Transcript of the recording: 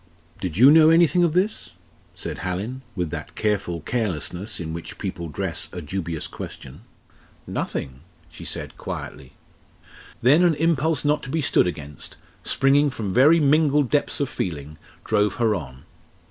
"Did you know anything of this?" said Hallin, with that careful carelessness in which people dress a dubious question. "Nothing," she said quietly. Then an impulse not to be stood against, springing from very mingled depths of feeling, drove her on.